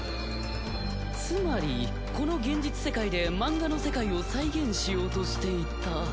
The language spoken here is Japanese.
つまりこの現実世界で漫画の世界を再現しようとしていた。